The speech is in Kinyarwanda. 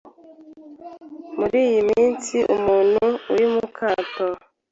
Muri iyo minsi umuntu ari mu kato,